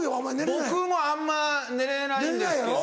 僕もあんま寝れないんですけど。